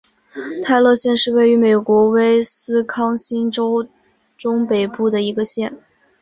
泰勒县是位于美国威斯康辛州中北部的一个县。